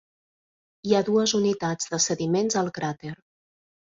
Hi ha dues unitats de sediments al cràter.